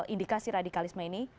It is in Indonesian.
indikasi radikalisme ini